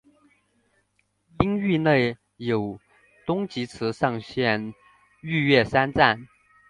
町域内有东急池上线御岳山站。